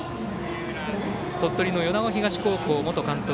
鳥取の米子東高校元監督